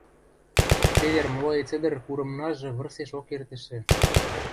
– Цевер млоец-ӹдӹр курымнажы вырсешок эртӹшӹ.